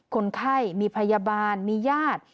คนไข้มีพยาบาลมีญาติ